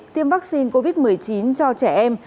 tiêm vaccine covid một mươi chín cho trẻ em